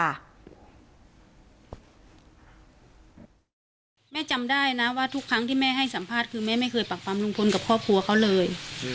แม่จำได้นะว่าทุกครั้งที่แม่ให้สัมภาษณ์คือแม่ไม่เคยปากฟังลุงพลกับครอบครัวเขาเลย